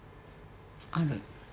ある。